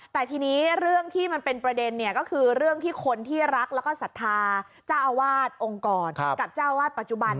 แต่ทีนี้เรื่องที่มันเป็นประเด็นก็คือเรื่องที่คนที่รักแล้วก็ศรัทธาเจ้าอาวาสองค์กรกับเจ้าอาวาสปัจจุบัน